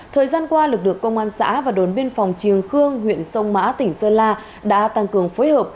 thời gian qua lực lượng công an xã và đồn biên phòng triềng khương huyện sông mã tỉnh sơn la đã tăng cường phối hợp